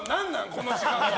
この時間。